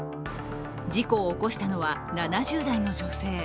事故を起こしたのは７０代の女性。